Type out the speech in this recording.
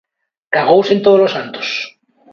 Cagouse en todos os santos.